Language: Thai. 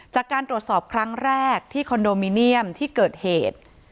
จากการตรวจสอบครั้งแรกที่คอนโดมิเนียมที่เกิดเหตุ